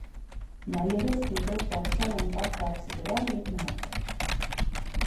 Նա երեսն ի վեր դարձյալ ընկավ բարձի վրա և մնաց այդպես: